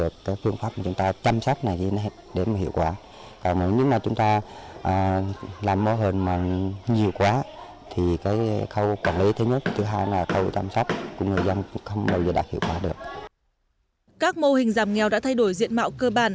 các huyện miền núi tỉnh khu vực các mô hình giảm nghèo đã thay đổi diện mạo cơ bản